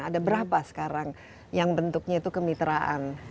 ada berapa sekarang yang bentuknya itu kemitraan